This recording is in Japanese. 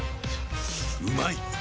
うまい！